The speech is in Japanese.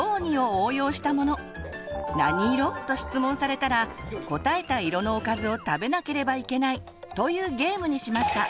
「なに色？」と質問されたら答えた色のおかずを食べなければいけないというゲームにしました。